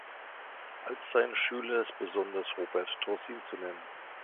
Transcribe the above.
Als sein Schüler ist besonders Robert Trossin zu nennen.